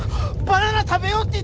バナナ食べようって。